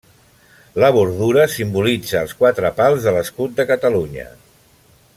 La bordura simbolitza els quatre pals de l'escut de Catalunya.